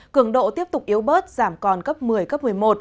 cường độ tiếp tục yếu bớt giảm còn cấp một mươi cấp một mươi một